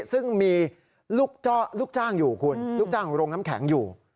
ซึ่งมีลูกจ้างอยู่คุณลูกจ้างของโรงน้ำแข็งอยู่